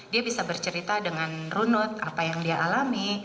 dia bisa bercerita dengan runut apa yang dia alami